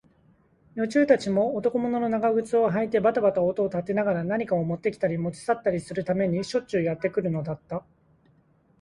女中たちも、男物の長靴をはいてばたばた音を立てながら、何かをもってきたり、もち去ったりするためにしょっちゅうやってくるのだった。